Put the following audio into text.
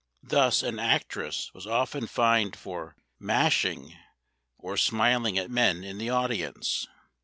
Thus an actress was often fined for "mashing" or smiling at men in the audience.